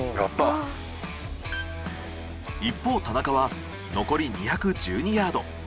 一方田中は残り２１２ヤード。